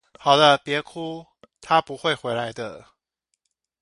好了別哭，他不會回來的